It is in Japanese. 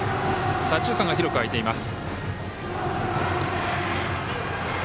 左中間が広くあいています。